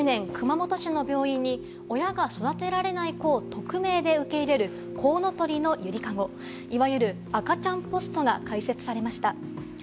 ２００７年、熊本市の病院に親が育てられない子を匿名で受け入れる、こうのとりのゆりかご、いわゆる赤ちゃんポストが開設されました。